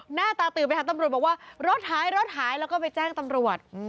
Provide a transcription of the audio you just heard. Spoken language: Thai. หน้าตาตื่นไปหาตำรวจบอกว่ารถหายรถหายแล้วก็ไปแจ้งตำรวจ